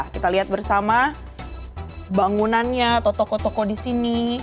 kita lihat bersama bangunannya atau toko toko di sini